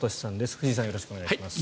藤井さんよろしくお願いします。